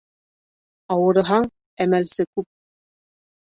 Ауырыһаң, әмәлсе күп.